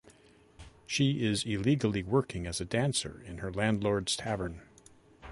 She is illegally working as a dancer in her landlord's tavern.